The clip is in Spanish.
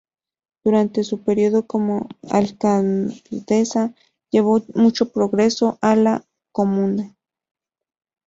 Durante su período como alcaldesa llevó mucho progreso a la comuna.